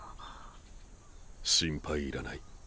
心配いらない。